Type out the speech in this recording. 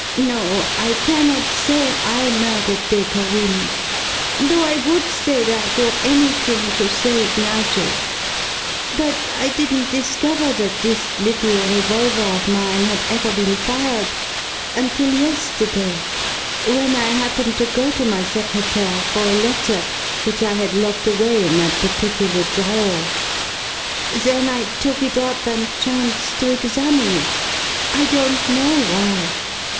No, I cannot say I murdered Dacre Wynne. Though I would say that or anything to save Nigel. But I didn't discover that this little revolver of mine had ever been fired until yesterday, when I happened to go to my secrétaire for a letter which I had locked away in that particular drawer. Then I took it up and chanced to examine it I don't know why.